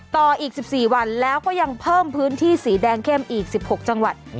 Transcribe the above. ต่ออีก๑๔วันแล้วก็ยังเพิ่มพื้นที่สีแดงเข้มอีก๑๖จังหวัด